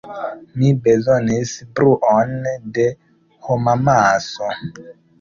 Mi bezonis bruon de homamaso.